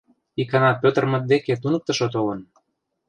Икана Пӧтырмыт деке туныктышо толын.